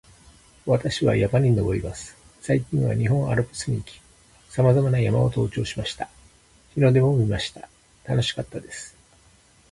私は山に登ります。最近は日本アルプスに行き、さまざまな山を登頂しました。日の出も見ました。楽しかったです